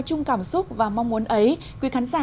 chung cảm xúc và mong muốn ấy quý khán giả